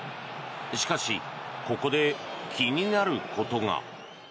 しかしここで気になることが。